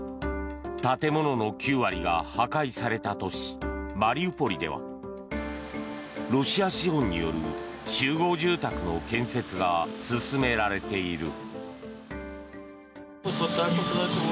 建物の９割が破壊された都市マリウポリではロシア資本による集合住宅の建設が進められている。